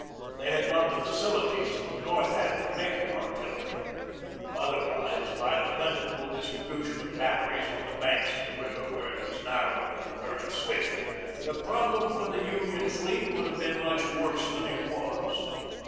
They had not the facilities that the North had for making artillery. Otherwise, by the plentiful distri bution of batteries on the banks of the river where it was narrow and the current swift, the problem for the Union fleet would have been much worse 8s 86 GEORGE DEWEY than it was.